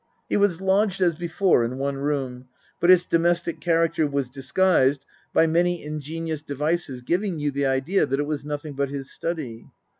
He was lodged, as before, in one room ; but its domestic character was disguised by many ingenious devices giving you the idea that it was nothing but his study.